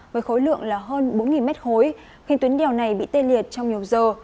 với khối lượng là hơn bốn mét khối khiến tuyến đèo này bị tê liệt trong nhiều giờ